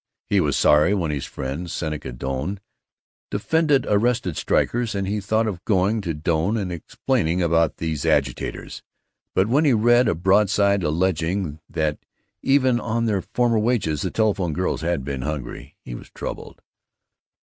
He was sorry when his friend, Seneca Doane, defended arrested strikers, and he thought of going to Doane and explaining about these agitators, but when he read a broadside alleging that even on their former wages the telephone girls had been hungry, he was troubled.